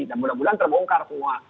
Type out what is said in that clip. dan mudah mudahan terbongkar semua